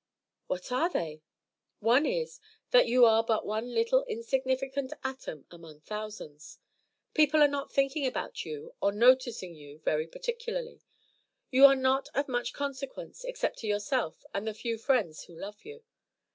"What are they?" "One is, that you are but one little insignificant atom among thousands. People are not thinking about you or noticing you very particularly. You are not of much consequence except to yourself and the few friends who love you.